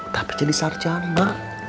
tapi jadi sarjana